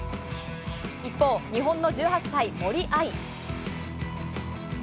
一方、日本の１８歳、森秋彩。